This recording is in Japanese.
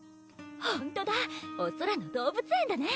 ほんとだお空の動物園だね！